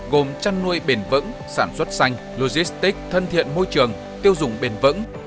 gồm chăn nuôi bền vững sản xuất xanh logistic thân thiện môi trường tiêu dùng bền vững